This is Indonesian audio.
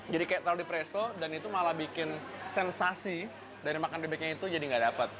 jadi kalau di presto dan itu malah bikin sensasi dari makan bebeknya itu jadi tidak dapat